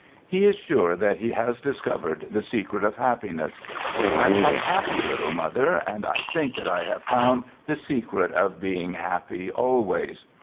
He is sure that he has dis covered the secret of happiness. " I am happy, little mother, and I think that I have found the \ front. "THE GOOD SOLDIER " secret of being happy always."